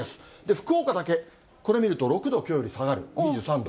福岡だけこれ見ると、６度、きょうより下がる、２３度。